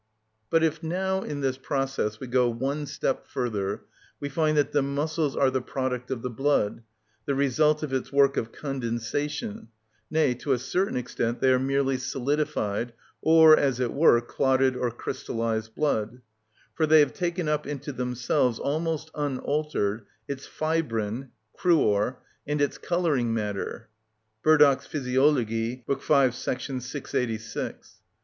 But if now, in this process, we go one step further, we find that the muscles are the product of the blood, the result of its work of condensation, nay, to a certain extent they are merely solidified, or, as it were, clotted or crystallised blood; for they have taken up into themselves, almost unaltered, its fibrin (cruor) and its colouring matter (Burdach's Physiologie, Bd. v. § 686).